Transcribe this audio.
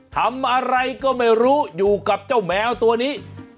ทำอะไรก็ไม่รู้อยู่กับเจ้าแมวตัวนี้